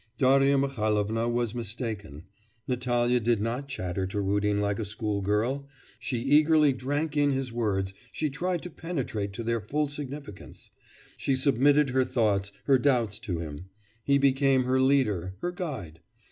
Darya Mihailovna was mistaken. Natalya did not chatter to Rudin like a school girl; she eagerly drank in his words, she tried to penetrate to their full significance; she submitted her thoughts, her doubts to him; he became her leader, her guide.